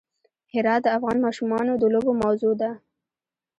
هرات د افغان ماشومانو د لوبو موضوع ده.